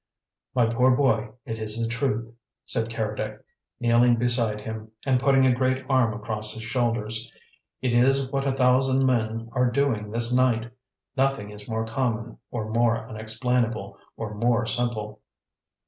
"My poor boy, it is the truth," said Keredec, kneeling beside him and putting a great arm across his shoulders. "It is what a thousand men are doing this night. Nothing is more common, or more unexplainable or more simple.